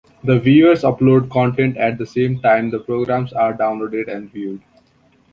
The viewers upload content at the same time the programs are downloaded and viewed.